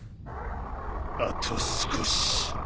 あと少し。